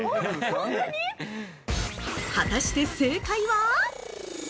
◆果たして正解は！？